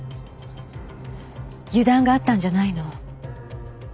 油断があったんじゃないの？